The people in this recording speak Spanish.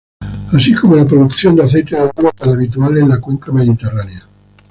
Así como la producción de aceite de oliva, tan habitual en la cuenca mediterránea.